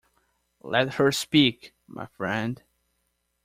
Let her speak, my friend.